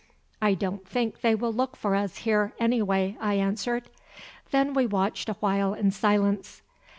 "I don't think they will look for us here, anyway," I answered. Then we watched awhile in silence.